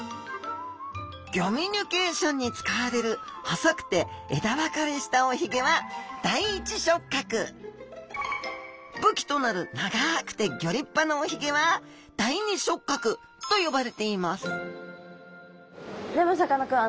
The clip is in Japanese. ギョミュニケーションに使われる細くて枝分かれしたおひげは武器となる長くてギョ立派なおひげは第２触角と呼ばれていますでもさかなクン